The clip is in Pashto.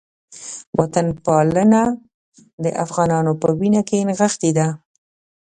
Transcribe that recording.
وطنپالنه د افغانانو په وینه کې نغښتې ده